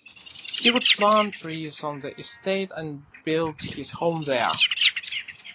He would plant trees on the estate and build his home there.